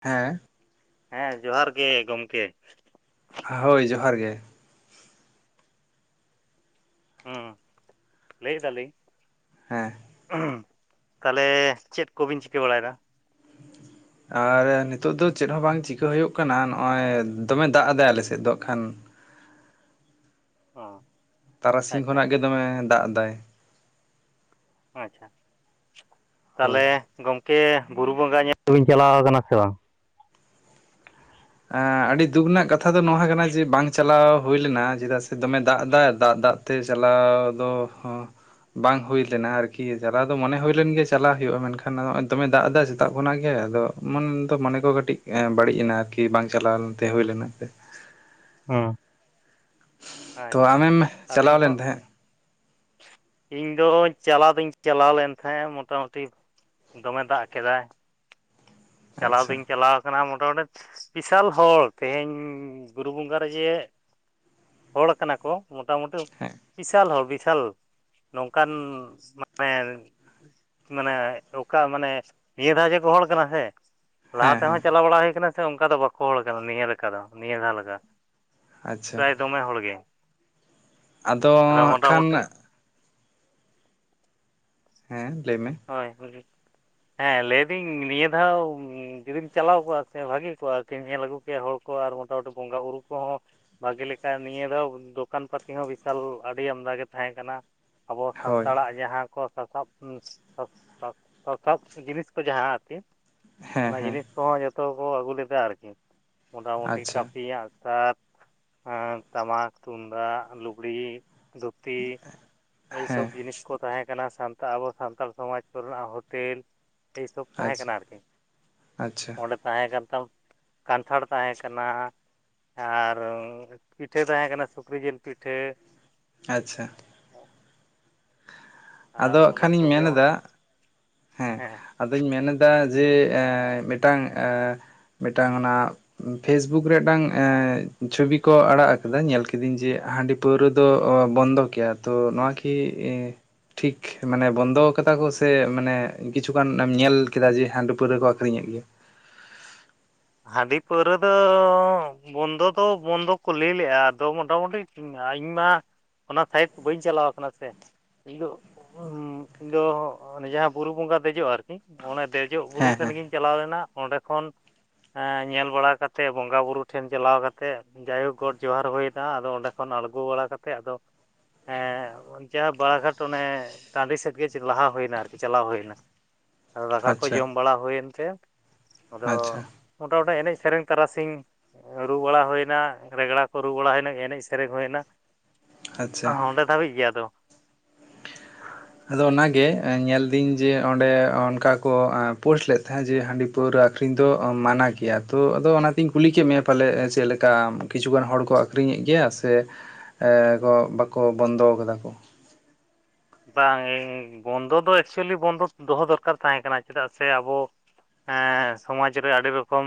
ᱦᱮᱸ ᱦᱮᱸ ᱡᱚᱦᱟᱨ ᱜᱮ ᱜᱚᱢᱠᱮ ᱦᱳᱭ ᱡᱚᱦᱟᱨ ᱜᱮ ᱦᱩᱸ ᱞᱟᱹᱭ ᱮᱫᱟ ᱞᱤᱧ ᱦᱮᱸ ᱩᱸᱦᱩ ᱛᱟᱞᱮ ᱪᱮᱫ ᱠᱚᱵᱤᱱ ᱪᱤᱠᱟᱹ ᱵᱟᱲᱟᱭᱮᱫᱟ ᱟᱨ ᱱᱤᱛᱚᱜ ᱫᱚ ᱪᱮᱫ ᱦᱚᱸ ᱵᱟᱝ ᱪᱤᱠᱟᱹ ᱦᱩᱭᱩᱜ ᱠᱟᱱᱟ ᱱᱚᱜᱼᱚᱭ ᱫᱚᱢᱮ ᱫᱟᱜ ᱟᱫᱟᱭ ᱟᱞᱮ ᱥᱮᱫ ᱫᱚ ᱦᱟᱸᱜ ᱠᱷᱟᱱ ᱾ ᱚ ᱛᱟᱨᱟᱥᱤᱧ ᱟᱪᱪᱷᱟ ᱠᱷᱚᱱᱟᱜ ᱜᱮ ᱫᱚᱢᱮ ᱫᱟᱜ ᱮᱫᱟᱭ ᱟᱪᱪᱷᱟ ᱦᱳᱭ ᱛᱟᱞᱦᱮ ᱜᱚᱝᱠᱮ ᱵᱩᱨᱩ ᱵᱚᱸᱜᱟ ᱧᱮᱞ ᱫᱚᱵᱤᱱ ᱪᱟᱞᱟᱣ ᱟᱠᱟᱱᱟ ᱥᱮ ᱵᱟᱝ? ᱮᱸᱜ ᱟᱹᱰᱤ ᱫᱩᱠ ᱨᱮᱱᱟᱜ ᱠᱟᱛᱷᱟ ᱫᱚ ᱱᱚᱣᱟ ᱠᱟᱱᱟ ᱡᱮ ᱵᱟᱝ ᱪᱟᱞᱟᱣ ᱦᱩᱭ ᱞᱮᱱᱟ ᱪᱮᱫᱟᱜ ᱥᱮ ᱫᱚᱢᱮ ᱫᱟᱜ ᱫᱟᱭ ᱫᱟᱜ ᱫᱟᱜ ᱛᱮ ᱪᱟᱞᱟᱣ ᱫᱚ ᱦᱚ ᱵᱟᱝ ᱦᱩᱭ ᱞᱮᱱᱟ ᱟᱨᱠᱤ ᱪᱟᱞᱟᱣ ᱫᱚ ᱢᱚᱱᱮ ᱦᱩᱭᱞᱮᱱ ᱜᱮ ᱪᱟᱞᱟᱣ ᱦᱩᱭᱩᱜᱼᱟ ᱢᱮᱱᱠᱷᱟᱱ ᱱᱚᱜᱼᱚᱭ ᱫᱚᱢᱮ ᱫᱟᱜ ᱮᱫᱟ ᱥᱮᱛᱟᱜ ᱠᱷᱚᱱᱟᱜ ᱜᱮ ᱟᱫᱚ ᱢᱚᱱ ᱫᱚ ᱢᱚᱱᱮ ᱠᱚ ᱠᱟᱹᱴᱤᱡ ᱵᱟᱹᱲᱤᱡ ᱮᱱᱟ ᱟᱨᱠᱤ ᱵᱟᱝ ᱪᱟᱞᱟᱣ ᱞᱮᱱᱛᱮ ᱦᱩᱭ ᱞᱮᱱᱟ ᱛᱮ ᱾ ᱚ ᱛᱚ ᱟᱢᱮᱢ ᱪᱟᱞᱟᱣ ᱟᱹᱞᱤᱧ ᱞᱮᱱ ᱦᱚᱸ ᱛᱟᱦᱮᱸᱫ? ᱤᱧ ᱫᱚ ᱪᱟᱞᱟᱣ ᱫᱩᱧ ᱪᱟᱞᱟᱣ ᱞᱮᱱ ᱛᱟᱦᱮᱸᱜ ᱢᱚᱴᱟᱢᱩᱴᱤ ᱫᱚᱢᱮ ᱫᱟᱜ ᱠᱮᱫᱟᱭ ᱪᱟᱞᱟᱣ ᱟᱪᱪᱷᱟ ᱫᱩᱧ ᱪᱟᱞᱟᱣ ᱠᱟᱱᱟ ᱢᱳᱚᱴᱟᱢᱩᱴᱤ ᱵᱤᱥᱟᱞ ᱦᱚᱲ ᱛᱮᱦᱮᱧ ᱵᱩᱨᱩ ᱵᱚᱸᱜᱟ ᱨᱮ ᱡᱮ ᱦᱚᱲ ᱠᱟᱱᱟ ᱠᱚ ᱢᱳᱴᱟᱢᱩᱴᱤ ᱦᱮᱸ ᱵᱤᱥᱟᱞ ᱦᱚᱲ ᱵᱤᱥᱟᱞ ᱱᱚᱝᱠᱟᱱ ᱢᱟᱱᱮ ᱢᱟᱱᱮ ᱚᱠᱟ ᱢᱟᱱᱮ ᱱᱤᱭᱟᱹ ᱫᱷᱟᱣ ᱡᱮ ᱠᱚ ᱦᱚᱲ ᱠᱟᱱᱟ ᱥᱮ ᱞᱟᱦᱟ ᱦᱮᱸ ᱦᱮᱸ ᱛᱮᱦᱚᱸ ᱪᱟᱞᱟᱣ ᱵᱟᱲᱟ ᱦᱩᱭ ᱠᱟᱱᱟ ᱥᱮ ᱚᱱᱠᱟ ᱫᱚ ᱵᱟᱠᱚ ᱦᱚᱲ ᱠᱟᱱᱟ ᱱᱤᱭᱟᱹ ᱞᱮᱠᱟ ᱫᱚ ᱱᱤᱭᱟᱹ ᱫᱷᱟᱣ ᱞᱮᱠᱟ ᱾ ᱟᱪᱪᱷᱟ ᱯᱨᱟᱭ ᱫᱚᱢᱮ ᱦᱚᱲ ᱜᱮ ᱟᱫᱚ ᱦᱟᱸᱜ ᱠᱷᱟᱱ ᱦᱮᱸ ᱞᱟᱹᱭ ᱢᱮ ᱦᱳᱭ, ᱦᱮᱸ ᱞᱟᱹᱭᱫᱟᱹᱧ ᱱᱤᱭᱟᱹ ᱫᱷᱟᱣ ᱡᱩᱫᱤᱢ ᱪᱟᱞᱟᱣ ᱠᱚᱜᱼᱟ ᱥᱮ ᱵᱷᱟᱹᱜᱤ ᱠᱚᱜᱼᱟ ᱠᱤ ᱧᱮᱞ ᱟᱹᱜᱩ ᱠᱮᱭᱟ ᱦᱚᱲ ᱠᱚ ᱟᱨ ᱢᱚᱴᱟᱢᱩᱴᱤ ᱵᱚᱸᱜᱟ ᱵᱩᱨᱩ ᱠᱚᱦᱚᱸ ᱵᱷᱟᱜᱮ ᱞᱮᱠᱟ ᱱᱤᱭᱟᱹ ᱫᱷᱟᱣ ᱫᱚᱠᱟᱱ ᱯᱟᱹᱛᱤ ᱦᱚᱸ ᱵᱤᱥᱟᱞ ᱟᱹᱰᱤ ᱟᱢᱫᱟ ᱜᱮ ᱛᱟᱦᱮᱸ ᱠᱟᱱᱟ ᱾ ᱟᱵᱚ ᱦᱳᱭ ᱥᱟᱱᱛᱟᱲᱟᱜ ᱡᱟᱦᱟᱸ ᱠᱚ ᱥᱟᱥᱟᱵ ᱥᱟᱛᱟᱵ ᱡᱤᱱᱤᱥ ᱠᱚ ᱡᱟᱦᱟᱸ ᱟᱨᱠᱤ ᱦᱮᱸ ᱚᱱᱟ ᱦᱮᱸ ᱡᱤᱱᱤᱥ ᱠᱚᱦᱚᱸ ᱡᱚᱛᱚ ᱠᱚ ᱟᱹᱜᱩ ᱞᱮᱫᱟ ᱟᱨᱠᱤ ᱢᱚᱴᱟᱢᱩᱴᱤ ᱟᱪᱪᱷᱟ ᱠᱟᱹᱯᱤ ᱟᱸᱜ-ᱥᱟᱨ ᱟᱨ ᱴᱟᱢᱟᱠ ᱛᱩᱢᱫᱟᱜ ᱞᱩᱜᱽᱲᱤ ᱫᱷᱩᱛᱤ ᱮᱭ ᱥᱚᱵ ᱦᱮᱸ ᱡᱤᱱᱤᱥ ᱠᱚ ᱛᱟᱦᱮᱸᱠᱟᱱᱟ ᱥᱟᱱᱛᱟᱲ ᱟᱵᱚ ᱥᱟᱱᱛᱟᱲ ᱥᱚᱢᱟᱡᱽ ᱠᱚ ᱨᱮᱱᱟᱜ ᱦᱳᱴᱮᱞ ᱮ ᱥᱚᱵ ᱛᱟᱦᱮᱸ ᱟᱪᱪᱷᱟ ᱠᱟᱱᱟ ᱟᱨᱠᱤ। ᱟᱪᱪᱷᱟ ᱚᱸᱰᱮ ᱛᱟᱦᱮᱸ ᱠᱟᱱ ᱛᱟᱢ ᱠᱟᱱᱴᱷᱟᱲ ᱛᱟᱦᱮᱸ ᱠᱟᱱᱟ ᱟᱨᱻ ᱯᱤᱴᱷᱟᱹ ᱛᱟᱦᱮᱸ ᱠᱟᱱᱟ ᱥᱩᱠᱨᱤ ᱡᱤᱞ ᱯᱤᱴᱷᱟᱹ ᱟᱪᱪᱷᱟ ᱟᱨ ᱟᱫᱚ ᱦᱟᱜ ᱚᱱᱟ ᱠᱷᱟᱱᱤᱧ ᱠᱚᱜᱮ ᱢᱮᱱ ᱮᱫᱟ ᱦᱮᱸ ᱟᱫᱚᱧ ᱢᱮᱱ ᱮᱫᱟ ᱡᱮ ᱮ ᱢᱤᱫᱴᱟᱝ ᱮ ᱢᱤᱫᱴᱟᱝ ᱚᱱᱟ ᱯᱷᱮᱥᱵᱩᱠ ᱨᱮ ᱢᱤᱫᱴᱟᱝ ᱪᱷᱚᱵᱤ ᱠᱚ ᱟᱲᱟᱜ ᱟᱠᱟᱫᱟ ᱧᱮᱞ ᱠᱤᱫᱤᱧ ᱡᱮ ᱦᱟᱺᱰᱤ ᱯᱟᱹᱣᱨᱟᱹ ᱫᱚ ᱵᱚᱱᱫᱚ ᱜᱮᱭᱟ ᱟᱫᱚ ᱱᱚᱣᱟ ᱠᱤ ᱴᱷᱤᱠ ᱢᱟᱱᱮ ᱵᱚᱱᱫᱚ ᱠᱟᱫᱟ ᱠᱚ ᱥᱮ ᱢᱟᱱᱮ ᱠᱤᱪᱷᱩᱜᱟᱱ ᱮᱢ ᱧᱮᱞ ᱠᱮᱫᱟ ᱡᱮ ᱦᱟᱸᱰᱤ ᱯᱟᱹᱣᱨᱟ ᱠᱚ ᱟᱠᱷᱨᱤᱧ ᱮᱫ ᱜᱮᱭᱟ ᱦᱟᱺᱰᱤ ᱯᱟᱹᱣᱨᱟᱹ ᱫᱚ ᱵᱚᱱᱫᱚ ᱫᱚ ᱵᱚᱱᱫᱚ ᱠᱩ ᱞᱟᱹᱭ ᱞᱮᱫᱼᱟ ᱟᱫᱚ ᱢᱚᱴᱟᱢᱩᱴᱤ ᱤᱧ ᱢᱟ ᱚᱱᱟ ᱥᱟᱭᱤᱰ ᱵᱟᱹᱧ ᱪᱟᱞᱟᱣ ᱟᱠᱟᱱᱟ ᱥᱮ ᱤᱧ ᱫᱚ ᱤᱧ ᱫᱚ ᱚᱱᱮ ᱡᱟᱸᱦᱟᱸ ᱵᱩᱨᱩ ᱵᱚᱸᱜᱟ ᱫᱮᱡᱚᱜ ᱟᱨᱠᱤ ᱚᱱᱮ ᱫᱮᱡ ᱫᱮᱡᱚᱜ ᱵᱩᱨᱩ ᱦᱮᱸ ᱴᱷᱮᱱ ᱦᱮᱸ ᱜᱤᱧ ᱪᱟᱞᱟᱣ ᱞᱮᱱᱟ ᱚᱸᱰᱮ ᱠᱷᱚᱱ ᱧᱮᱞ ᱵᱟᱲᱟ ᱠᱟᱛᱮᱫ ᱵᱚᱸᱜᱟ ᱵᱩᱨᱩ ᱴᱷᱮᱱ ᱪᱟᱞᱟᱣ ᱠᱟᱛᱮᱫ ᱡᱟᱭᱦᱳᱠ ᱜᱚᱴ ᱡᱚᱦᱟᱨ ᱦᱩᱭᱱᱟ ᱟᱫᱚ ᱚᱸᱰᱮ ᱠᱷᱚᱱ ᱟᱬᱜᱚ ᱵᱟᱲᱟ ᱠᱟᱛᱮ ᱟᱫᱚ ᱮ ᱡᱟᱦᱟᱸ ᱵᱟᱲᱟᱜᱷᱟᱴ, ᱚᱱᱮ ᱴᱟᱺᱰᱤ ᱥᱮᱫ ᱜᱮ ᱞᱟᱦᱟ ᱦᱩᱭᱱᱟ ᱟᱨᱠᱤ ᱪᱟᱞᱟᱣ ᱦᱩᱭᱱᱟ᱾ ᱟᱫᱚ ᱫᱟᱠᱟ ᱠᱚ ᱟᱪᱪᱷᱟ ᱡᱚᱢ ᱵᱟᱲᱟ ᱦᱩᱭᱮᱱ ᱛᱮ ᱟᱫᱚ ᱟᱪᱪᱷᱟ ᱢᱚᱴᱟᱢᱚᱴᱤ ᱮᱱᱮᱡ ᱥᱮᱨᱮᱧ ᱛᱟᱨᱟᱥᱤᱧ ᱨᱩ ᱵᱟᱲᱟ ᱦᱩᱭᱱᱟ ᱨᱮᱜᱽᱲᱟ ᱠᱚ ᱨᱩ ᱵᱟᱲᱟ ᱦᱩᱭᱮᱱᱟ ᱮᱱᱮᱡ ᱥᱮᱨᱮᱧ ᱦᱩᱭᱮᱱᱟ᱾ ᱟᱪᱪᱷᱟ ᱚᱸᱰᱮ ᱫᱷᱟᱹᱵᱤᱡ ᱜᱮ ᱟᱫᱚ [inaudible] ᱟᱫᱚ ᱚᱱᱟ ᱜᱮ ᱧᱮᱞᱫᱟᱹᱧ ᱡᱮ ᱚᱸᱰᱮ ᱚᱱᱠᱟ ᱠᱚ ᱯᱳᱥᱴ ᱞᱮᱫ ᱛᱟᱦᱮᱸᱫ ᱡᱮ ᱦᱟᱺᱰᱤ ᱯᱟᱹᱣᱨᱟᱹ ᱟᱹᱠᱷᱨᱤᱧ ᱫᱚ ᱢᱟᱱᱟ ᱜᱮᱭᱟ ᱛᱚ ᱟᱫᱚ ᱚᱱᱟ ᱛᱮᱧ ᱠᱩᱞᱤ ᱠᱮᱫ ᱢᱮᱭᱟ ᱯᱟᱞᱮ ᱪᱮᱫ ᱞᱮᱠᱟ? ᱠᱤᱪᱷᱩ ᱜᱟᱱ ᱦᱚᱲ ᱠᱚ ᱟᱠᱷᱨᱤᱧ ᱮᱫ ᱜᱮᱭᱟ ᱥᱮ ᱵᱟᱠᱚ ᱵᱚᱱᱫᱚ ᱟᱠᱟᱫᱟ ᱠᱚ? ᱵᱟᱝ ᱵᱚᱱᱫᱚ ᱫᱚ ᱮᱠᱪᱩᱭᱮᱞᱤ ᱵᱚᱱᱫᱚ ᱫᱚᱦᱚ ᱫᱚᱨᱠᱟᱨ ᱛᱟᱦᱮᱸ ᱠᱟᱱᱟ ᱪᱮᱫᱟᱜ ᱥᱮ ᱟᱵᱚ ᱦᱮᱸ ᱥᱚᱢᱟᱡᱽ ᱨᱮ ᱟᱹᱰᱤ ᱨᱚᱠᱚᱢ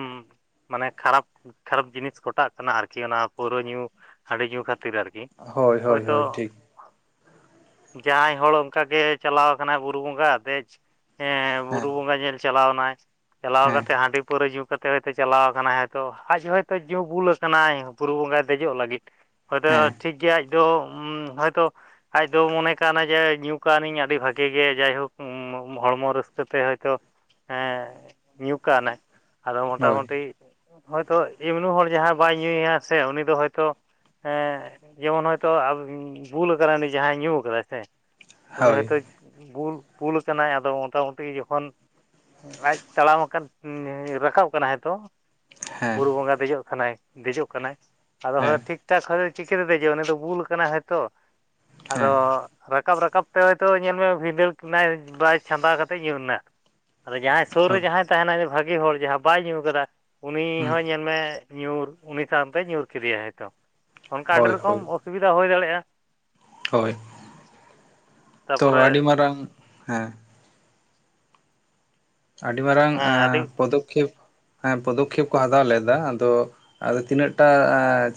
ᱢᱟᱱᱮ ᱠᱷᱟᱨᱟᱯ ᱠᱷᱟᱨᱟᱯ ᱡᱤᱱᱤᱥ ᱠᱷᱚᱴᱟᱜ ᱠᱟᱱᱟ ᱟᱨᱠᱤ ᱚᱱᱟ ᱯᱟᱹᱣᱨᱟᱹ ᱧᱩ ᱦᱟᱺᱰᱤ ᱧᱩ ᱠᱷᱟᱹᱛᱤᱨ ᱟᱨᱠᱤ᱾ ᱦᱳᱭ ᱦᱳᱭ ᱦᱳᱭᱛᱳ ᱦᱳᱭ ᱴᱷᱤᱠ ᱡᱟᱦᱟᱸᱭ ᱦᱚᱲ ᱚᱱᱠᱟ ᱜᱮ ᱪᱟᱞᱟᱣ ᱟᱠᱟᱱᱟᱭ, ᱵᱩᱨᱩ ᱵᱚᱸᱜᱟ ᱫᱮᱡ ᱮ ᱵᱩᱨᱩ ᱦᱮᱸ ᱵᱚᱸᱜᱟ ᱧᱮᱞ ᱪᱟᱞᱟᱣ ᱮᱱᱟᱭ ᱪᱟᱞᱟᱣ ᱦᱮᱸ ᱠᱟᱛᱮ ᱦᱟᱺᱰᱤ ᱯᱟᱹᱣᱨᱟᱹ ᱧᱩ ᱠᱟᱛᱮ ᱦᱚᱭᱛᱳ ᱪᱟᱞᱟᱣ ᱟᱠᱟᱱᱟᱭ, ᱦᱚᱭᱛᱳ ᱟᱡ ᱦᱚᱳᱭᱛᱳ ᱧᱩ ᱵᱩᱞ ᱟᱠᱟᱱᱟᱭ ᱵᱩᱨᱩ ᱵᱚᱸᱜᱟᱭ ᱫᱮᱡᱚᱜ ᱞᱟᱹᱜᱤᱫ ᱦᱳᱭᱛᱳ ᱦᱮᱸ ᱴᱷᱤᱠ ᱜᱮᱭᱟ ᱟᱡ ᱫᱚ ᱦᱚᱳᱭᱛᱳ ᱟᱡ ᱫᱚ ᱢᱚᱱᱮ ᱠᱟᱱᱟ ᱡᱮ ᱧᱩ ᱠᱟᱹᱱᱤᱧ ᱟᱹᱰᱤ ᱵᱷᱟᱜᱤ ᱜᱮ ᱡᱟᱭᱦᱳᱠ ᱦᱚᱲᱢᱚ ᱨᱟᱹᱥᱠᱟᱹ ᱛᱮ ᱦᱚᱭᱛᱳ ᱦᱮᱸ ᱧᱩ ᱠᱟᱣᱱᱟᱭ ᱟᱫᱚ ᱦᱳᱭ ᱢᱚᱴᱟᱢᱩᱴᱤ ᱦᱚᱭᱛᱳ ᱮᱢᱱᱤ ᱦᱚᱲ ᱡᱟᱦᱟᱸᱭ ᱵᱟᱭ ᱧᱩᱭᱟ ᱥᱮ ᱩᱱᱤ ᱫᱚ ᱦᱚᱭᱛᱳ ᱦᱮᱸ ᱡᱮᱢᱚᱱ ᱦᱚᱭᱛᱚ ᱵᱩᱞ ᱟᱠᱟᱱᱟᱭ ᱩᱱᱤ ᱡᱟᱦᱟᱸᱭ ᱧᱩ ᱠᱟᱫᱟᱭ ᱥᱮ ᱩᱱᱤ ᱦᱳᱭ ᱦᱚᱭᱛᱳᱭ ᱵᱩᱞ, ᱵᱩᱞ ᱠᱟᱱᱟᱭ ᱟᱫᱚ ᱢᱳᱴᱟᱢᱩᱴᱤ ᱡᱚᱠᱷᱚᱱ ᱟᱡ ᱛᱟᱲᱟᱢ ᱟᱠᱟᱫ ᱨᱟᱠᱟᱵ ᱠᱟᱱᱟᱭ ᱦᱚᱭᱛᱚ ᱦᱮᱸ ᱵᱩᱨᱩ ᱵᱚᱸᱜᱟ ᱫᱮᱡᱚᱜ ᱠᱟᱱᱟᱭ ᱫᱮᱡᱚᱜ ᱠᱟᱱᱟᱭ, ᱟᱫᱚ ᱦᱳᱭ ᱦᱮᱸ ᱴᱷᱤᱠ ᱮᱴᱟᱜ ᱠᱷᱚᱡ ᱫᱚ ᱪᱤᱠᱟᱹᱛᱮ ᱫᱮᱡᱚᱜ ᱟᱭ ᱩᱱᱤ ᱫᱚ ᱵᱩᱞ ᱠᱟᱱᱟᱭ ᱦᱚᱭᱛᱚ, ᱟᱫᱚ ᱦᱮᱸ ᱾ ᱨᱟᱠᱟᱵ ᱨᱟᱠᱟᱵ ᱛᱮ ᱦᱚᱭᱛᱚ ᱧᱮᱞ ᱢᱮ ᱵᱷᱸᱤᱫᱟᱹᱲ ᱮᱱᱟᱭ ᱵᱟᱭ ᱪᱷᱟᱸᱫᱟ ᱠᱟᱛᱮᱫ ᱧᱩᱨ ᱮᱱᱟ ᱟᱫᱚ ᱡᱟᱸᱦᱟᱸᱭ ᱥᱩᱨ ᱨᱮ ᱦᱳᱭ ᱡᱟᱸᱦᱟᱸᱭ ᱛᱟᱦᱮᱱᱟᱭ ᱵᱷᱟᱜᱤ ᱦᱚᱲ ᱡᱟᱸᱦᱟᱸ ᱵᱟᱭ ᱧᱩ ᱟᱠᱟᱫᱟ ᱩᱱᱤ ᱦᱚᱸ ᱧᱮᱞ ᱢᱮ ᱧᱩᱨ ᱩᱱᱤ ᱥᱟᱶᱛᱮᱭ ᱧᱩᱨ ᱠᱮᱫᱮᱭᱟᱭ ᱦᱚᱭᱛᱚ ᱚᱱᱠᱟ ᱟᱹᱰᱤ ᱦᱳᱭ ᱨᱚᱠᱚᱢ ᱦᱳᱭ ᱚᱥᱩᱵᱤᱫᱟ ᱦᱩᱭ ᱫᱟᱲᱮᱜᱼᱟ᱾ ᱦᱳᱭ, ᱛᱚ ᱛᱟᱨᱯᱚᱨᱮ ᱟᱰᱤ ᱢᱟᱨᱟᱝ, ᱦᱮᱸ ᱟᱰᱤ ᱢᱟᱨᱟᱝ ᱦᱮᱸ ᱟᱹᱰᱤ ᱯᱚᱫᱚᱠᱷᱮᱯ, ᱯᱚᱫᱚᱠᱷᱮᱯ ᱠᱚ ᱦᱟᱛᱟᱣ ᱞᱮᱫᱟ, ᱟᱫᱚ ᱟᱫᱚ ᱛᱤᱱᱟᱹᱜ ᱴᱟ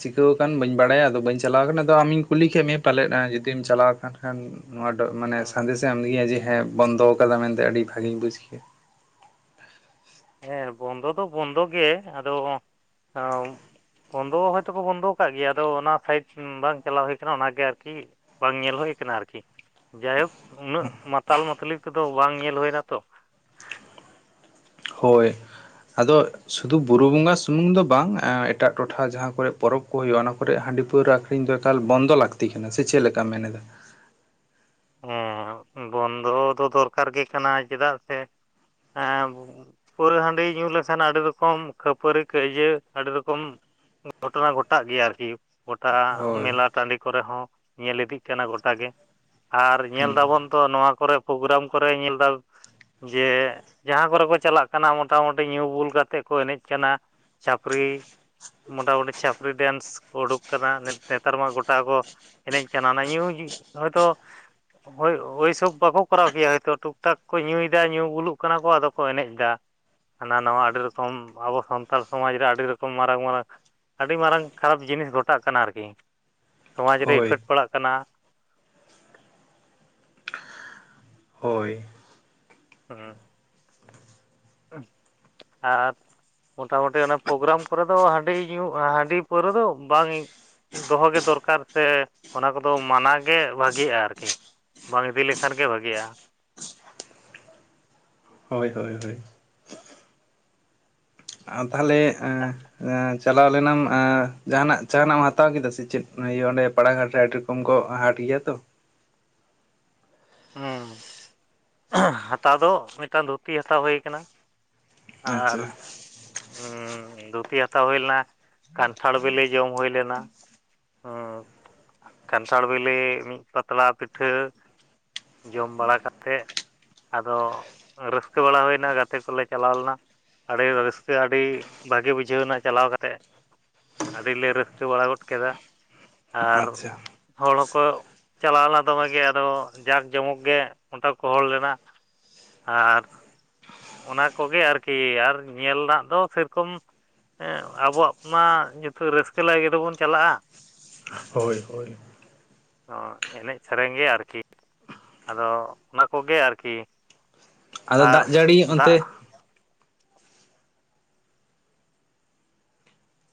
ᱪᱤᱠᱟᱹᱣ ᱟᱠᱟᱱ ᱵᱟᱹᱧ ᱵᱟᱰᱟᱭᱟ, ᱟᱫᱚ ᱵᱟᱹᱧ ᱪᱟᱞᱟᱣ ᱟᱠᱟᱱᱟ ᱟᱫᱚ ᱟᱢᱤᱧ ᱠᱩᱞᱤ ᱠᱮᱫ ᱢᱮᱭᱟ ᱯᱟᱞᱮᱫ ᱡᱩᱫᱤᱢ ᱪᱟᱞᱟᱣ ᱟᱠᱟᱱ ᱱᱚᱣᱟ [unintelligible] ᱢᱟᱱᱮ ᱥᱟᱸᱫᱮᱥ ᱮᱢ ᱦᱩᱭᱟ ᱡᱮ ᱦᱮᱸ ᱵᱚᱱᱫᱚ ᱟᱠᱟᱫᱟ ᱢᱮᱱᱛᱮ ᱟᱹᱰᱤ ᱵᱷᱟᱜᱤᱧ ᱵᱩᱡ ᱠᱮᱭᱟ᱾ ᱦᱮᱸ ᱵᱚᱱᱫᱚ ᱫᱚ ᱵᱚᱱᱫᱚ ᱜᱮ, ᱟᱫᱚ ᱵᱚᱱᱫᱚ ᱦᱳᱭᱛᱳ ᱠᱚ ᱵᱚᱱᱫᱚ ᱟᱠᱟᱫ ᱜᱮᱭᱟ, ᱚᱱᱟ ᱥᱟᱭᱤᱰ ᱵᱟᱝ ᱪᱟᱞᱟᱣ ᱦᱩᱭ ᱟᱠᱟᱱᱟ, ᱚᱱᱟᱜᱮ ᱟᱨᱠᱤ ᱵᱟᱝ ᱧᱮᱞ ᱦᱩᱭ ᱟᱠᱟᱱᱟ ᱟᱨᱠᱤ ᱡᱟᱭ ᱦᱳᱠ ᱩᱱᱟᱹᱜ ᱢᱟᱛᱟᱞ ᱢᱟᱛᱞᱤ ᱠᱚᱫᱚ ᱵᱟᱝ ᱧᱮᱞ ᱦᱩᱭᱱᱟᱛᱚ᱾ ᱦᱳᱭ ᱟᱫᱚ ᱥᱩᱫᱩ ᱵᱩᱨᱩ ᱵᱚᱸᱜᱟ ᱥᱩᱢᱩᱝ ᱫᱚ ᱵᱟᱝ, ᱮᱴᱟᱜ ᱴᱚᱴᱷᱟ ᱡᱟᱦᱟᱸ ᱠᱚᱨᱮ ᱯᱚᱨᱚᱵᱽ ᱠᱚ ᱦᱩᱭᱩᱜᱼᱟ ᱚᱱᱟ ᱠᱚᱨᱮ ᱦᱟᱺᱰᱤ ᱯᱟᱹᱣᱨᱟᱹ ᱟᱹᱠᱷᱨᱤᱧ ᱫᱚ ᱮᱠᱟᱞ ᱵᱚᱱᱫᱚ ᱞᱟᱹᱠᱛᱤ ᱠᱟᱱᱟ ᱥᱮ ᱪᱮᱫ ᱞᱮᱠᱟᱢ ᱢᱮᱱ ᱮᱫᱟ᱾ ᱦᱮ ᱵᱚᱱᱫᱚ ᱫᱚ ᱫᱚᱨᱠᱟᱨ ᱜᱮ ᱠᱟᱱᱟ ᱪᱮᱫᱟᱜ ᱥᱮ ᱦᱮ ᱯᱟᱹᱣᱨᱟᱹ ᱦᱟᱱᱰᱤ ᱧᱩ ᱞᱮᱠᱷᱟᱱ ᱟᱰᱤ ᱨᱚᱠᱚᱢ ᱠᱷᱟᱹᱯᱟᱹᱨᱤ ᱠᱟᱹᱭᱡᱟᱹ ᱟᱹᱰᱤ ᱨᱚᱠᱚᱢ ᱜᱷᱚᱴᱚᱱᱟ ᱜᱷᱚᱴᱟᱜ ᱜᱮᱭᱟ ᱟᱨᱠᱤ ᱜᱚᱴᱟᱜ-ᱟ᱾ ᱦᱳᱭ ᱢᱮᱞᱟ ᱴᱟᱺᱰᱤ ᱠᱚᱨᱮ ᱦᱚ ᱧᱮᱞ ᱤᱫᱤᱜ ᱠᱟᱱᱟ ᱜᱚᱴᱟᱜᱮ ᱟᱨ ᱧᱮᱞ ᱦᱩᱸ ᱫᱟᱵᱚᱱ ᱛᱚ ᱱᱚᱣᱟ ᱠᱚᱨᱮ ᱯᱳᱜᱨᱟᱢ ᱠᱚᱨᱮ ᱧᱮᱞᱫᱟ ᱡᱮ ᱡᱟᱦᱟ ᱠᱚᱨᱮ ᱠᱚ ᱪᱟᱞᱟᱜ ᱠᱟᱱᱟ ᱢᱚᱴᱟᱢᱩᱴᱤ ᱧᱩ ᱵᱩᱞ ᱠᱟᱛᱮᱫ ᱠᱚ ᱮᱱᱮᱡ ᱠᱟᱱᱟ ᱪᱷᱟᱯᱨᱤ ᱢᱚᱴᱟᱢᱩᱴᱤ ᱪᱷᱟᱯᱨᱤ ᱰᱮᱱᱥ ᱠᱚ ᱩᱰᱩᱠ ᱠᱟᱫᱟ ᱱᱮᱛᱟᱨ ᱢᱟ ᱜᱚᱴᱟ ᱠᱚ ᱮᱱᱮᱡ ᱠᱟᱱᱟ ᱚᱱᱟ ᱧᱩ ᱦᱚ ᱦᱚᱭᱛᱚ ᱦᱳᱭ ᱳᱭᱥᱚᱵ ᱵᱟᱠᱚ ᱠᱚᱨᱟᱣ ᱠᱮᱭᱟ ᱦᱳᱭᱛᱚ ᱴᱩᱠ ᱴᱟᱠ ᱠᱚ ᱧᱩᱭᱮᱫᱟ ᱧᱩ ᱵᱩᱞᱩᱜ ᱠᱟᱱᱟ ᱠᱚ ᱟᱫᱚ ᱠᱚ ᱮᱱᱮᱡ ᱫᱟ ᱦᱟᱱᱟ ᱱᱟᱣᱟ ᱟᱰᱤ ᱨᱚᱠᱚᱢ ᱟᱵᱚ ᱥᱟᱱᱛᱟᱲ ᱥᱚᱢᱟᱡᱽ ᱨᱮ ᱟᱰᱤ ᱨᱚᱠᱚᱢ ᱢᱟᱨᱟᱝ ᱢᱟᱨᱟᱝ ᱟᱹᱰᱤ ᱢᱟᱨᱟᱝ ᱠᱷᱟᱨᱟᱯ ᱡᱤᱱᱤᱥ ᱜᱷᱚᱴᱟᱜ ᱠᱟᱱᱟ ᱟᱨᱠᱤ ᱥᱚᱢᱟᱡᱽ ᱨᱮ ᱦᱳᱭ ᱤᱯᱷᱮᱠᱴ ᱯᱟᱲᱟᱜ ᱠᱟᱱᱟ ᱦᱳᱭ ᱦᱩ ᱟᱨ ᱢᱚᱴᱟᱢᱩᱴᱤ ᱚᱱᱟ ᱯᱨᱳᱜᱨᱟᱢ ᱠᱚᱨᱮ ᱫᱚ ᱦᱟᱺᱰᱤ ᱧᱩ ᱦᱟᱺᱰᱤ ᱯᱟᱹᱣᱨᱟᱹ ᱫᱚ ᱵᱟᱝᱤᱧ ᱫᱚᱦᱚ ᱜᱮ ᱫᱚᱨᱠᱟᱨ ᱥᱮ ᱚᱱᱟ ᱠᱚᱫᱚ ᱢᱟᱱᱟ ᱜᱮ ᱵᱷᱟᱜᱤᱜ-ᱟ᱾ ᱟᱨᱠᱤ ᱵᱟᱝ ᱤᱫᱤ ᱞᱮᱠᱷᱟᱱ ᱜᱮ ᱵᱷᱟᱹᱜᱤᱜ-ᱟ᱾ ᱦᱳᱭ ᱦᱳᱭ ᱦᱳᱭ ᱟᱨ ᱛᱟᱦᱞᱮ ᱮᱜ ᱪᱟᱞᱟᱣ ᱞᱮᱱᱟᱢ ᱡᱟᱦᱟᱱᱟᱜ ᱡᱟᱦᱟᱱᱟᱜ ᱮᱢ ᱦᱟᱛᱟᱣ ᱠᱮᱫᱟ ᱥᱮ ᱪᱮᱫ ᱤᱭᱟᱹ ᱚᱱᱰᱮ ᱯᱟᱲᱟᱜᱷᱟᱴ ᱨᱮ ᱠᱚᱢ ᱠᱚ ᱦᱟᱺᱰᱤ ᱜᱮᱭᱟ ᱛᱚ ᱦᱩ ᱦᱟᱛᱟᱣ ᱫᱚ ᱢᱤᱫᱴᱟᱝ ᱫᱷᱩᱛᱤ ᱦᱟᱛᱟᱣ ᱦᱩᱭ ᱠᱟᱱᱟ ᱟᱨ ᱟᱪᱪᱷᱟ ᱦᱩ ᱫᱷᱩᱛᱤ ᱦᱟᱛᱟᱣ ᱦᱩᱭ ᱞᱮᱱᱟ ᱠᱟᱱᱴᱷᱟᱲ ᱵᱤᱞᱤ ᱡᱚᱢ ᱦᱩᱭ ᱞᱮᱱᱟ ᱦᱮ ᱠᱟᱱᱴᱷᱟᱲ ᱵᱤᱞᱤ ᱢᱤᱫ ᱯᱟᱛᱲᱟ ᱯᱤᱴᱷᱟᱹ ᱡᱚᱢ ᱵᱟᱲᱟ ᱠᱟᱛᱮᱫ ᱟᱫᱚ ᱨᱟᱹᱥᱠᱟᱹ ᱵᱟᱲᱟ ᱦᱩᱭᱱᱟ ᱜᱟᱛᱮ ᱥᱚᱞᱮᱜ ᱪᱟᱞᱟᱣ ᱞᱮᱱᱟ ᱟᱹᱰᱤ ᱨᱟᱹᱥᱠᱟᱹ ᱟᱹᱰᱤ ᱵᱷᱟᱹᱜᱤ ᱵᱩᱡᱷᱟᱣᱱᱟ ᱪᱟᱞᱟᱣ ᱠᱟᱛᱮᱫ ᱟᱹᱰᱤ ᱞᱮ ᱨᱟᱹᱥᱠᱟᱹ ᱵᱟᱲᱟ ᱜᱚᱫ ᱠᱮᱫᱟ ᱟᱨ ᱟᱪᱪᱷᱟ ᱦᱚᱲ ᱠᱚ ᱪᱟᱞᱟᱣ ᱞᱮᱱᱟ ᱫᱚᱢᱮ ᱜᱮ ᱟᱫᱚ ᱡᱟᱠ ᱡᱚᱢᱚᱠ ᱜᱮ ᱚᱱᱰᱮ ᱠᱚ ᱦᱚᱲ ᱞᱮᱱᱟ ᱟᱨ ᱚᱱᱟ ᱠᱚᱜᱮ ᱟᱨᱠᱤ ᱟᱨ ᱧᱮᱞ ᱨᱮᱱᱟᱜ ᱫᱚ ᱥᱮ ᱨᱚᱠᱚᱢ ᱦᱮ ᱟᱵᱚᱣᱟᱜ ᱢᱟ ᱱᱤᱛᱚᱜ ᱨᱟᱹᱥᱠᱟᱹ ᱞᱟᱹᱜᱤᱫ ᱦᱚᱵᱚᱱ ᱪᱟᱞᱟᱜ-ᱟ ᱦᱳᱭ ᱦᱳᱭ ᱚ ᱮᱱᱮᱡ ᱥᱮᱨᱮᱧ ᱜᱮ ᱟᱨᱠᱤ ᱟᱫᱚ ᱚᱱᱟ ᱠᱚᱜᱮ ᱟᱨᱠᱤ ᱟᱫᱚ ᱟᱨ ᱫᱟᱜ ᱡᱟᱹᱲᱤ ᱫᱟᱜ ᱚᱱᱛᱮ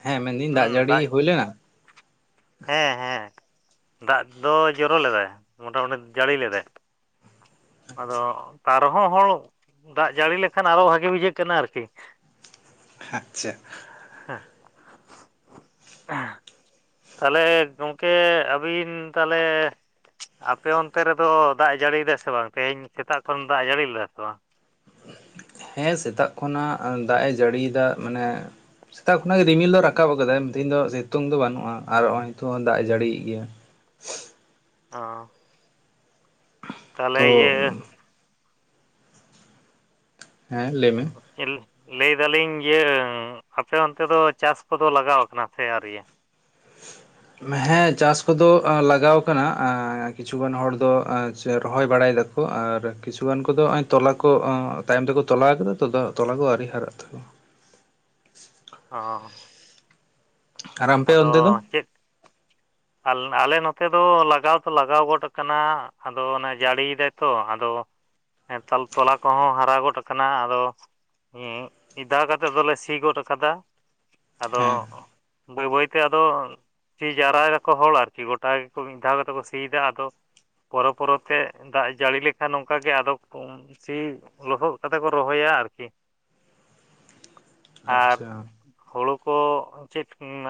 ᱦᱮ ᱢᱮᱱᱫᱟᱹᱧ ᱫᱟᱜ ᱡᱟᱹᱲᱤ ᱦᱩᱭ ᱞᱮᱱᱟ ᱦᱮ ᱦᱮ ᱫᱟᱜ ᱫᱚ ᱡᱚᱨᱚ ᱞᱮᱫᱟᱭ ᱢᱚᱴᱟᱢᱩᱴᱤ ᱡᱟᱹᱲᱤ ᱞᱮᱫᱟᱭ ᱟᱫᱚ ᱛᱟ ᱨᱮᱦᱚ ᱦᱚᱲ ᱫᱟᱜ ᱡᱟᱹᱲᱤ ᱞᱮᱠᱷᱟᱱ ᱟᱨᱚ ᱵᱷᱟᱜᱮ ᱵᱩᱡᱷᱟᱹᱜ ᱠᱟᱱᱟ ᱟᱨᱠᱤ ᱟᱪᱪᱷᱟ ᱦᱮ ᱛᱟᱦᱚᱞᱮ ᱜᱚᱢᱠᱮ ᱟᱹᱵᱤᱱ ᱛᱟᱦᱚᱞᱮ ᱟᱯᱮ ᱚᱱᱛᱮ ᱨᱮᱫᱚ ᱫᱟᱜ ᱮ ᱡᱟᱹᱲᱤᱭᱫᱟ ᱥᱮ ᱵᱟᱝ ᱛᱮᱦᱮᱧ ᱥᱮᱛᱟᱜ ᱠᱷᱚᱱ ᱮ ᱫᱟᱜ ᱮ ᱡᱟᱹᱲᱤ ᱞᱮᱫᱟ ᱥᱮ ᱵᱟᱝ ᱦᱮ ᱥᱮᱛᱟᱜ ᱠᱷᱚᱱᱟᱜ ᱫᱟᱜ ᱮ ᱡᱟᱹᱲᱤᱭᱮᱫᱟ ᱢᱟᱱᱮ ᱥᱮᱛᱟᱜ ᱠᱷᱚᱱᱟ ᱜᱮ ᱨᱤᱢᱤᱞᱫᱚᱭ ᱨᱟᱠᱟᱵ ᱟᱠᱟᱫᱟᱭ ᱛᱮᱦᱮᱧ ᱫᱚ ᱥᱤᱛᱩᱝ ᱫᱚ ᱵᱟᱹᱱᱩᱜ-ᱟ᱾ ᱟᱨ ᱱᱚ-ᱚᱭ ᱱᱤᱛᱚᱜ ᱫᱟᱜ ᱦᱚ ᱫᱟᱜ ᱮ ᱡᱟᱹᱲᱤᱭᱮᱫ ᱜᱮᱭᱟ᱾ ᱚᱻ ᱛᱟᱦᱚᱞᱮ ᱛᱚ ᱤᱭᱟᱹᱼᱼ ᱦᱮᱸ ᱞᱟᱹᱭ ᱢᱮ, ᱞᱟᱹᱭᱫᱟᱞᱤᱧ ᱤᱭᱟᱹ ᱟᱯᱮ ᱚᱱᱛᱮ ᱫᱚ ᱪᱟᱥ ᱠᱚᱫᱚ ᱞᱟᱜᱟᱣ ᱠᱟᱱᱟ ᱥᱮ ᱟᱳᱨᱤᱭᱟᱹ? ᱦᱮᱸ ᱪᱟᱥ ᱠᱚᱫᱚ ᱞᱟᱜᱟᱣ ᱠᱟᱱᱟ ᱠᱤᱪᱷᱩᱜᱟᱱ ᱦᱚᱲ ᱫᱚ ᱨᱚᱦᱚᱭ ᱵᱟᱲᱟᱭ ᱫᱟᱠᱚ᱾ ᱠᱚ ᱟᱨ ᱠᱤᱪᱷᱩᱩᱜᱟᱱ ᱠᱚᱫᱚ ᱱᱚᱜᱚᱭ ᱛᱚᱞᱟ ᱠᱚ ᱛᱟᱭᱚᱢ ᱛᱮᱠᱚ ᱛᱚᱞᱟ ᱟᱠᱟᱫᱟ ᱛᱚ ᱛᱚᱞᱟ ᱠᱚ ᱟᱹᱣᱨᱤ ᱦᱟᱨᱟᱜ ᱛᱟᱠᱚᱣᱟ᱾ ᱚ ᱟᱨ ᱟᱢᱯᱮ ᱟᱫᱚ ᱚᱱᱛᱮ ᱫᱚ ᱪᱮᱫ? ᱟᱞᱮ ᱱᱚᱛᱮ ᱫᱚ ᱞᱟᱜᱟᱣ ᱫᱚ ᱞᱟᱜᱟᱣ ᱜᱚᱫ ᱠᱟᱱᱟ ᱟᱫᱚ ᱚᱱᱮ ᱡᱟᱹᱲᱤᱭᱮᱫᱟᱭ ᱛᱚ ᱟᱫᱚ ᱦᱮ ᱛᱟᱞ ᱛᱚᱞᱟ ᱠᱚᱦᱚᱸ ᱦᱟᱨᱟ ᱜᱚᱫ ᱠᱟᱱᱟ ᱟᱫᱚᱼᱼ ᱢᱤᱫ ᱫᱟᱣ ᱠᱟᱛᱮ ᱫᱚᱞᱮ ᱥᱤ ᱜᱚᱫ ᱠᱟᱫᱟ ᱟᱫᱚ, ᱦᱮᱸ ᱵᱟᱹᱭ ᱵᱟᱹᱭᱛᱮ ᱟᱫᱚᱼᱼ ᱥᱤ ᱡᱟᱣᱨᱟ ᱮᱫᱟ ᱠᱚ ᱦᱚᱲ ᱟᱨᱠᱤ ᱜᱚᱴᱟ ᱜᱮᱠᱚ ᱢᱤᱫ ᱫᱷᱟᱣ ᱠᱟᱛᱮ ᱠᱚ ᱥᱤᱭ ᱫᱟᱠᱚ ᱟᱨ ᱠᱚ᱾ ᱯᱚᱨᱚ ᱯᱚᱨᱚᱛᱮ ᱫᱟᱜ ᱡᱟᱹᱲᱤ ᱞᱮᱠᱷᱟᱱ ᱱᱚᱝᱠᱟ ᱜᱮ ᱟᱫᱚᱼᱼ ᱥᱤ ᱞᱚᱦᱚᱫ ᱠᱟᱛᱮ ᱠᱚ ᱨᱚᱦᱚᱭᱟ ᱟᱨᱠᱤ, ᱟᱨ ᱟᱪᱪᱷᱟ ᱦᱳᱲᱳ ᱠᱚᱼᱼ ᱪᱮᱫ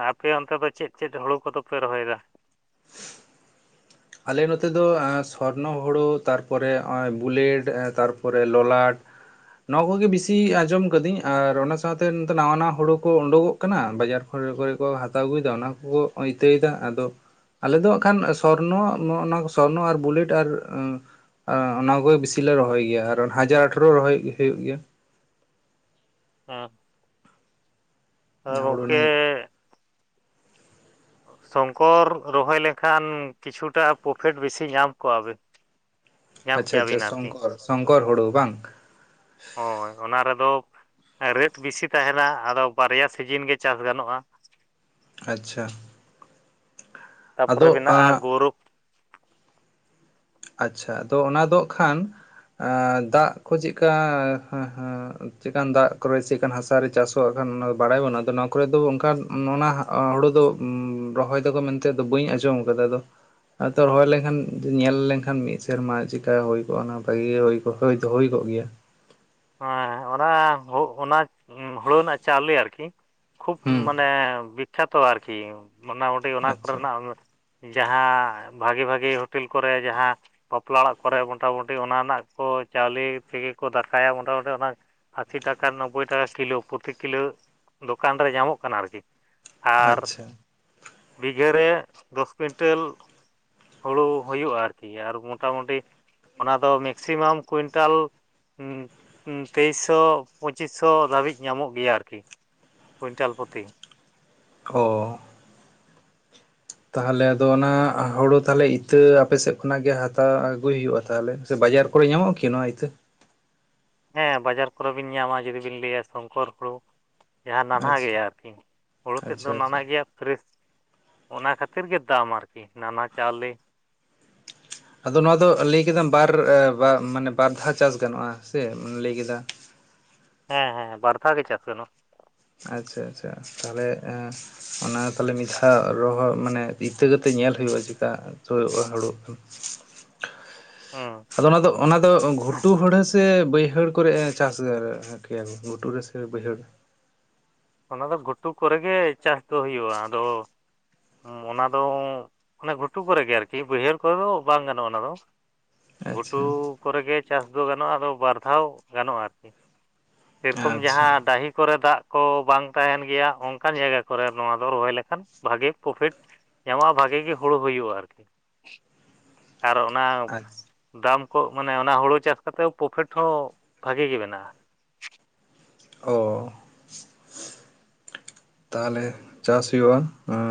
ᱟᱯᱮ ᱚᱱᱛᱮ ᱫᱚ ᱪᱮᱫ ᱪᱮᱫ ᱦᱳᱲᱳ ᱠᱚᱫᱚᱯᱮ ᱨᱚᱦᱚᱭᱮᱫᱟ? ᱟᱞᱮ ᱱᱚᱛᱮ ᱫᱚ ᱥᱚᱨᱱᱚ ᱦᱳᱲᱳ ᱛᱟᱨᱯᱚᱨᱮ ᱱᱚᱜᱼᱚᱭ ᱵᱩᱞᱮᱰ ᱛᱟᱨᱯᱚᱨᱮ ᱞᱚᱞᱟᱴ, ᱱᱚᱣᱟ ᱠᱚᱜᱮ ᱵᱤᱥᱤ ᱟᱸᱡᱚᱢ ᱠᱟᱹᱫᱟᱹᱧ ᱟᱨ ᱚᱱᱟ ᱥᱟᱶᱛᱮ ᱱᱟᱣᱟ ᱱᱟᱣᱟ ᱦᱳᱲᱳ ᱠᱚ ᱳᱰᱳᱠᱚᱜᱼᱼ ᱠᱟᱱᱟ ᱵᱟᱡᱟᱨ ᱠᱚᱨᱮ ᱠᱚᱨᱮ ᱠᱚ ᱦᱟᱛᱟᱣ ᱟᱹᱜᱩᱭᱮᱫᱟ ᱚᱱᱟ ᱠᱚᱠᱚ ᱤᱛᱟᱹᱭᱮᱫᱟ ᱟᱫᱚ, ᱟᱞᱮ ᱫᱚ ᱦᱟᱠᱷᱟᱱ ᱥᱚᱨᱱᱚ ᱱᱚᱜ ᱱᱚᱣᱟ ᱥᱚᱨᱱᱚ ᱟᱨ ᱵᱩᱞᱮᱴ ᱟᱨᱼᱼ ᱚᱱᱟ ᱠᱚᱜᱮ ᱵᱤᱥᱤ ᱞᱮ ᱨᱚᱦᱚᱭ ᱜᱮᱭᱟ ᱟᱨ ᱦᱟᱡᱟᱨ ᱟᱴᱷᱟᱨᱚ ᱨᱚᱦᱚᱭ ᱦᱩᱭᱩᱜ ᱜᱮᱭᱟᱼᱼ ᱦᱩᱸ ᱟ ᱦᱳᱲᱳ ᱜᱚᱢᱠᱮᱼᱼ ᱨᱮᱱᱟᱜ ᱧᱩᱛᱩᱢ ᱥᱚᱝᱠᱚᱨ ᱨᱚᱦᱚᱭ ᱞᱮᱠᱷᱟᱱ ᱠᱤᱪᱷᱩᱴᱟ ᱯᱨᱚᱯᱷᱮᱴ ᱵᱮᱥᱤ ᱧᱟᱢ ᱠᱚᱜᱼᱟᱵᱤᱱ᱾ ᱧᱟᱢ ᱟᱪᱪᱷᱟ ᱟᱪᱪᱷᱟ ᱠᱮᱭᱟᱵᱤᱱ ᱟᱨᱠᱤ᱾ ᱥᱚᱝᱠᱚᱨ ᱥᱚᱝᱠᱚᱨ ᱦᱳᱲᱳ ᱵᱟᱝ? ᱦᱳᱭ ᱚᱱᱟ ᱨᱮᱫᱚ ᱨᱮᱴ ᱵᱮᱥᱤ ᱛᱟᱦᱮᱱᱟ ᱟᱫᱚ ᱵᱟᱨᱭᱟ ᱥᱤᱡᱤᱱ ᱜᱮ ᱪᱟᱥ ᱜᱟᱱᱚᱜ-ᱟ᱾ ᱟᱪᱪᱷᱟ᱾ ᱛᱟᱯᱚᱨᱮ ᱟᱫᱚ ᱢᱮᱱᱟᱜ-ᱟ ᱜᱳᱨᱚᱵᱼᱼ ᱟᱪᱪᱷᱟ ᱟᱫᱚ ᱚᱱᱟ ᱫᱚ ᱱᱟᱠᱷᱟᱱᱼᱼ ᱫᱟᱜ ᱠᱚ ᱪᱮᱫᱠᱟ ᱪᱮᱫᱠᱟᱱ ᱫᱟᱜ ᱠᱚᱨᱮ ᱪᱮᱫᱠᱟᱱ ᱦᱟᱥᱟᱨᱮ ᱪᱟᱥᱼᱼ ᱟᱱ ᱵᱟᱲᱟᱭ ᱵᱟᱹᱱᱩᱜ-ᱟ ᱟᱫᱚ ᱱᱚᱣᱟ ᱠᱚᱨᱮ ᱫᱚ ᱚᱱᱠᱷᱟᱱ ᱦᱳᱲᱳ ᱫᱚ ᱨᱚᱦᱚᱭ ᱫᱟᱠᱚ ᱢᱮᱱᱛᱮᱼᱼ ᱛᱮ ᱫᱚ ᱵᱟᱹᱧ ᱟᱸᱡᱚᱢ ᱟᱠᱟᱫᱟ ᱟᱫᱚ ᱨᱚᱦᱚᱭ ᱞᱮᱱᱠᱷᱟᱱ ᱧᱮᱞ ᱞᱮᱠᱷᱟᱱ, ᱮᱱᱠᱷᱟᱱ ᱢᱤᱫ ᱥᱮᱨᱢᱟ ᱪᱮᱠᱟ ᱦᱩᱭ ᱠᱚᱜ-ᱟ ᱚᱱᱟ ᱵᱷᱟᱜᱤ ᱜᱮ ᱦᱩᱭ ᱠᱚᱜ ᱫᱚ ᱦᱩᱭ ᱠᱚᱜ ᱜᱮᱭᱟ᱾ ᱦᱮᱸ ᱚᱱᱟ ᱚᱱᱟ ᱦᱳᱲᱳ ᱨᱮᱱᱟᱜ ᱪᱟᱣᱞᱮ ᱟᱨᱠᱤᱼᱼ ᱠᱷᱩᱵ ᱦᱩᱸ ᱢᱟᱱᱮ ᱵᱤᱠᱷᱟᱛᱚ ᱟᱨᱠᱤ ᱢᱳᱴᱟᱢᱩᱴᱤ ᱚᱱᱟ ᱟᱪᱪᱷᱟ ᱠᱚᱨᱮᱱᱟᱜᱼᱼ ᱡᱟᱦᱟᱸ ᱵᱷᱟᱜᱮ ᱵᱷᱟᱜᱮ ᱦᱳᱴᱮᱞ ᱠᱚᱨᱮ ᱡᱟᱦᱟᱸᱼᱼ ᱵᱟᱯᱞᱟ ᱚᱲᱟᱜ ᱠᱚᱨᱮ ᱢᱚᱴᱟᱢᱩᱴᱤ ᱚᱱᱟ ᱨᱮᱱᱟᱜ ᱠᱚ ᱪᱟᱣᱞᱮ ᱛᱮᱜᱮ ᱠᱚ ᱫᱟᱠᱼᱼ ᱠᱟᱭᱟ ᱢᱳᱚᱴᱟᱢᱩᱴᱤ ᱚᱱᱟ ᱟᱥᱤ ᱴᱟᱠᱟ ᱱᱚᱵᱳᱭ ᱴᱟᱠᱟ ᱠᱤᱞᱳ ᱯᱨᱚᱛᱤᱠ ᱠᱤᱞᱳᱼᱼ ᱫᱚᱠᱟᱱ ᱨᱮ ᱧᱟᱢᱚᱜ ᱠᱟᱱᱟ ᱟᱨᱠᱤ ᱟᱨᱼᱼ ᱟᱪᱪᱷᱟ ᱵᱤᱜᱷᱟᱹ ᱨᱮ ᱫᱚᱥ ᱠᱩᱭᱤᱱᱴᱮᱞᱼᱼ ᱦᱩᱲᱩ ᱦᱩᱭᱩᱜᱼᱟ ᱟᱨᱠᱤ ᱟᱨ ᱢᱚᱴᱟᱢᱩᱴᱤ ᱚᱱᱟ ᱫᱚ ᱢᱮᱠᱥᱤᱢᱟᱢ ᱠᱩᱭᱤᱱᱴᱟᱞᱼᱼ ᱦᱩᱸᱻᱦᱩᱸ ᱛᱮᱭᱤᱥ ᱥᱚ ᱯᱚᱪᱤᱥ ᱥᱚ ᱫᱷᱟᱵᱤᱡ ᱧᱟᱢᱚᱜ ᱜᱮᱭᱟ ᱟᱨᱠᱤ, ᱠᱩᱭᱱᱴᱟᱞ ᱯᱚᱛᱤ᱾ ᱠᱷᱚ ᱛᱟᱞᱦᱮ ᱟᱫᱚ ᱚᱱᱟ ᱦᱳᱲᱳ ᱛᱟᱞᱦᱮ ᱤᱛᱟᱹ ᱟᱯᱮ ᱥᱮᱫ ᱠᱷᱚᱱᱟᱜ ᱜᱮ ᱦᱟᱛᱟᱣ ᱟᱹᱜᱩᱭ ᱦᱩᱭᱩᱜᱼᱟ ᱛᱟᱦᱚᱞᱮ ᱥᱮ ᱵᱟᱡᱟᱨ ᱠᱚᱨᱮᱜ ᱧᱟᱢᱚᱜ ᱠᱤ ᱱᱚᱣᱟ ᱤᱛᱟᱹ? ᱦᱮᱸ ᱵᱟᱡᱟᱨ ᱠᱚᱨᱮ ᱵᱤᱱ ᱧᱟᱢᱟ ᱡᱩᱫᱤ ᱵᱤᱱ ᱞᱟᱹᱭᱟ ᱥᱚᱝᱠᱚᱨ ᱦᱩᱲᱩ ᱡᱟᱦᱟᱸ ᱱᱟᱱᱦᱟ ᱟᱪᱪᱷᱟ ᱜᱮᱭᱟ ᱟᱨᱠᱤ ᱦᱳᱲᱳ ᱛᱮᱫ ᱟᱪᱪᱷᱟ ᱫᱚ ᱱᱟᱱᱦᱟ ᱟᱪᱪᱷᱟ ᱜᱮᱭᱟ ᱯᱷᱮᱨᱮᱥ ᱚᱱᱟ ᱠᱷᱟᱛᱤᱨ ᱜᱮ ᱫᱟᱢᱟ ᱟᱨᱠᱤ ᱱᱟᱱᱦᱟ ᱪᱟᱣᱞᱮ ᱟᱫᱚ ᱱᱚᱣᱟ ᱫᱚ ᱞᱟᱹᱭ ᱠᱮᱫᱟᱢ ᱵᱟᱨ ᱮᱻ ᱢᱟᱱᱮ ᱵᱟᱨ ᱫᱷᱟᱣ ᱪᱟᱥ ᱜᱟᱱᱚᱜᱼᱟ ᱥᱮ ᱞᱟᱹᱭ ᱠᱮᱫᱟ ᱦᱮᱸ ᱦᱮᱸ ᱵᱟᱨ ᱫᱷᱟᱣ ᱜᱮ ᱪᱟᱥ ᱜᱟᱱᱚᱜᱼᱟ ᱟᱪᱪᱷᱟ ᱟᱪᱪᱷᱟ ᱛᱟᱦᱞᱮ ᱮᱸᱻ ᱚᱱᱟ ᱛᱟᱞᱦᱮ ᱢᱤᱫ ᱫᱷᱟᱣ ᱨᱚᱦᱚ ᱢᱟᱱᱮ ᱤᱛᱟᱹ ᱠᱟᱛᱮ ᱧᱮᱞ ᱦᱩᱭᱩᱜᱼᱟ ᱪᱮᱠᱟ ᱦᱩᱭᱩᱜᱼᱟ ᱦᱩᱲᱩ ᱦᱮᱸ ᱟᱫᱚ ᱚᱱᱟ ᱫᱚ ᱚᱱᱟ ᱫᱚ ᱜᱷᱩᱴᱩ ᱦᱩᱲᱟᱹᱥ ᱛᱮ ᱵᱟᱹᱭᱦᱟᱹᱲ ᱠᱚᱨᱮ ᱮ ᱪᱟᱥ [unintelligible] ᱜᱷᱩᱴᱩ ᱨᱮ ᱥᱮ ᱵᱟᱹᱭᱦᱟᱹᱲ ᱚᱱᱟ ᱫᱚ ᱜᱷᱩᱴᱩ ᱠᱚᱨᱮ ᱜᱮ ᱪᱟᱥ ᱫᱚ ᱦᱩᱭᱩᱜᱼᱟ ᱟᱫᱚ ᱩᱸ ᱚᱱᱟ ᱫᱚ ᱩᱸ ᱚᱱᱮ ᱜᱷᱩᱴᱩ ᱠᱚᱨᱮ ᱜᱮ ᱟᱨᱠᱤ ᱵᱟᱹᱭᱦᱟᱹᱲ ᱠᱚᱨᱮ ᱫᱚ ᱵᱟᱝ ᱜᱟᱱᱚᱜᱼᱟ ᱚᱱᱟ ᱫᱚ ᱜᱷᱩᱴᱩ ᱟᱪᱪᱷᱟ ᱠᱚᱨᱮ ᱜᱮ ᱪᱟᱥ ᱫᱚ ᱜᱟᱱᱚᱜᱼᱟ ᱟᱫᱚ ᱵᱟᱨ ᱫᱷᱟᱣ ᱜᱟᱱᱚᱜᱼᱟ ᱟᱨᱠᱤ ᱥᱮᱨᱚᱠᱚᱢ ᱟᱪᱪᱷᱟ ᱡᱟᱦᱟᱸ ᱰᱟᱦᱤ ᱠᱚᱨᱮ ᱫᱟᱜ ᱠᱚ ᱵᱟᱝ ᱛᱟᱦᱮᱱ ᱜᱮᱭᱟ ᱚᱱᱠᱟᱱ ᱡᱟᱭᱜᱟ ᱠᱚᱨᱮ ᱱᱚᱣᱟ ᱫᱚ ᱨᱚᱦᱚᱭ ᱞᱮᱠᱷᱟᱱ ᱵᱷᱟᱜᱮ ᱯᱨᱚᱯᱷᱤᱴ ᱧᱟᱢᱚᱜᱼᱟ ᱵᱷᱟᱜᱤ ᱜᱮ ᱦᱩᱲᱩ ᱦᱩᱭᱩᱜᱼᱟ ᱟᱨᱠᱤ ᱟᱨ ᱚᱱᱟ ᱟᱪᱪᱷᱟ ᱫᱟᱢ ᱠᱚ ᱢᱟᱱᱮ ᱚᱱᱟ ᱦᱳᱲᱳ ᱪᱟᱥ ᱠᱟᱛᱮ ᱯᱨᱚᱯᱷᱤᱴ ᱦᱚᱸ ᱵᱷᱟᱜᱮ ᱜᱮ ᱢᱮᱱᱟᱜᱼᱟ ᱚ ᱛᱟᱦᱚᱞᱮ ᱪᱟᱥ ᱦᱩᱭᱩᱜᱼᱟ ᱟ